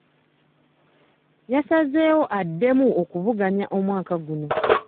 Yasazeewo addemu okuvuganya omwaka gunno.